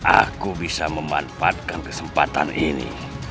aku bisa memanfaatkan kesempatan ini